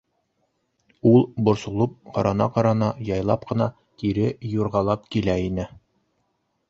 Ул борсолоп, ҡарана-ҡарана, яйлап ҡына кире юрғалап килә ине.